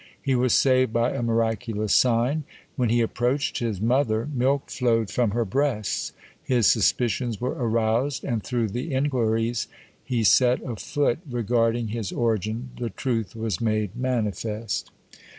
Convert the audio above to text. He was saved by a miraculous sign. When he approached his mother, milk flowed from her breasts. His suspicions were aroused, and through the inquiries he set a foot regarding his origin, the truth was made manifest.